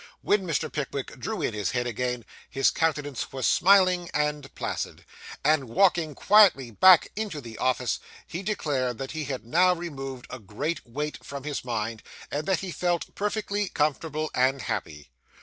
When Mr. Pickwick drew in his head again, his countenance was smiling and placid; and, walking quietly back into the office, he declared that he had now removed a great weight from his mind, and that he felt perfectly comfortable and happy.